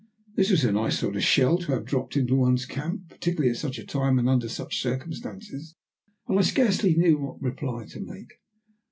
This was a nice sort of shell to have dropped into one's camp, particularly at such a time and under such circumstances, and I scarcely knew what reply to make.